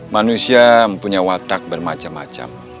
manusia punya watak bermacam macam